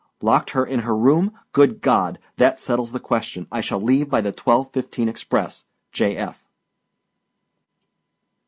Locked her in her room. Good God. That settles the question. I shall leave by the twelve fifteen express. J.